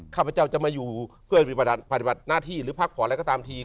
ข้าพเจ้าจะมาอยู่เพื่อปฏิบัติหน้าที่หรือพักผ่อนอะไรก็ตามที